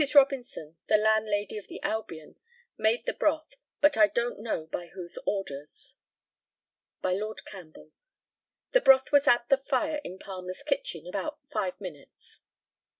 Robinson, the landlady of the Albion, made the broth, but I don't know by whose orders. By Lord CAMPBELL. The broth was at the fire in Palmer's kitchen about five minutes.